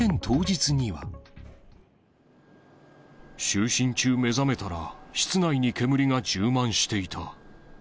就寝中、目覚めたら室内に煙が充満していた。